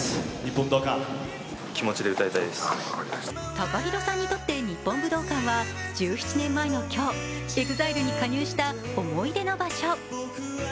ＴＡＫＡＨＩＲＯさんにとって日本武道館は１７年前の今日、ＥＸＩＬＥに加入した思い出の場所。